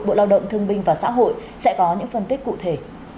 bộ lao động thương binh và xã hội sẽ có những phân tích cụ thể